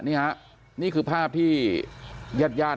นี่ครับนี่คือภาพที่ยาท